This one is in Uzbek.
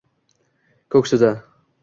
Ko’ksida